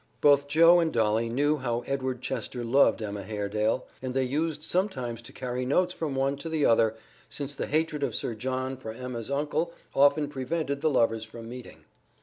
Both Joe and Dolly knew how Edward Chester loved Emma Haredale, and they used sometimes to carry notes from one to the other, since the hatred of Sir John for Emma's uncle often prevented the lovers from meeting.